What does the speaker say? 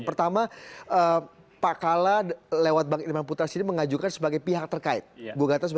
pertama pak kala lewat bang irman putra sini mengajukan sebagai pihak terkait